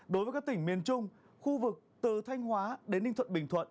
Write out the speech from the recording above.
đối với các tỉnh miền trung khu vực từ thanh hóa đến ninh thuận bình thuận